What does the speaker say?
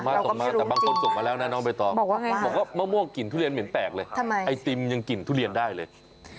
ส่งมาแต่บางคนส่งมาแล้วนะน้องใบตองบอกว่ามะม่วงกลิ่นทุเรียนเหม็นแตกเลยไอติมยังกลิ่นทุเรียนได้เลย